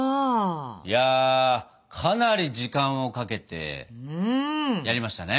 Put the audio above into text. いやかなり時間をかけてやりましたね。